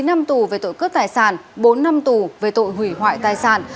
chín năm tù về tội cướp tài sản bốn năm tù về tội hủy hoại tài sản